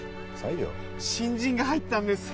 新人が入ったんです。